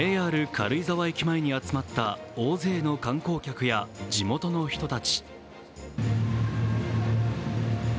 軽井沢駅前に集まった大勢の観光客や地元の人たち。